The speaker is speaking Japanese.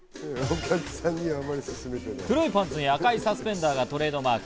黒いパンツに赤いサスペンダーがトレードマーク。